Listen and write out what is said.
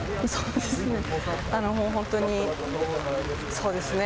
そうですね。